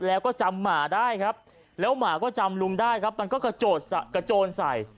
แล้วก็จำหมาได้ครับแล้วหมาก็จำลุงได้ครับมันก็กระโจนใส่